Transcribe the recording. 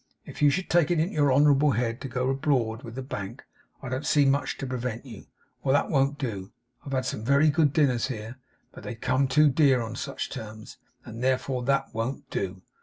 If you should take it into your honourable head to go abroad with the bank, I don't see much to prevent you. Well! That won't do. I've had some very good dinners here, but they'd come too dear on such terms; and therefore, that won't do.